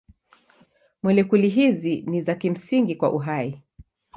Molekuli hizi ni za kimsingi kwa uhai.